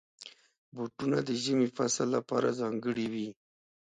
بوټونه د ژمي فصل لپاره ځانګړي وي.